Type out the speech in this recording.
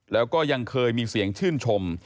แล้วก็ยังเคยมีเสียงชื่นชม